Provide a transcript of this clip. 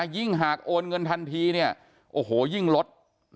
ยิ่งหากโอนเงินทันทีเนี่ยโอ้โหยิ่งลด